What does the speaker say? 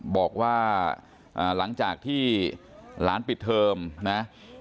บอกว่าหลังจากที่หลานปิดเทอมนะ